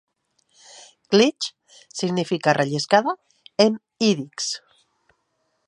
"Glitch" significa "relliscada" en ídix.